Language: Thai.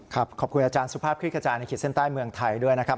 ขอบคุณอาจารย์สุภาพคลิกกระจายในขีดเส้นใต้เมืองไทยด้วยนะครับ